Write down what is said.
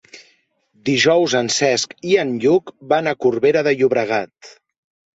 Dijous en Cesc i en Lluc van a Corbera de Llobregat.